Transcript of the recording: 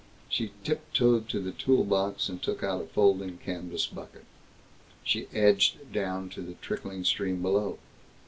She tiptoed to the tool box and took out a folding canvas bucket. She edged down to the trickling stream below.